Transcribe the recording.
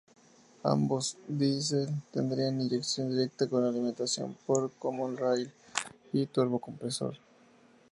Ambos Diesel tendrán inyección directa con alimentación por common-rail y turbocompresor.